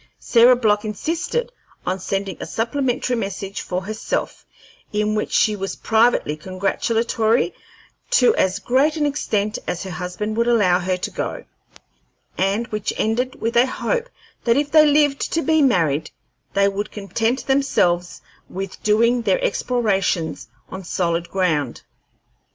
Sarah Block insisted on sending a supplementary message for herself, in which she was privately congratulatory to as great an extent as her husband would allow her to go, and which ended with a hope that if they lived to be married they would content themselves with doing their explorations on solid ground.